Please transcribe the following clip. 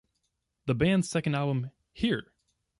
The band's second album, Hear!